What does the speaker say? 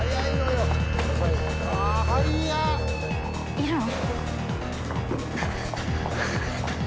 いるの？